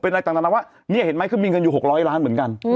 อะไรต่างนานาว่านี่เห็นไหมคือมีเงินอยู่๖๐๐ล้านเหมือนกัน